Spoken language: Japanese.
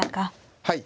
はい。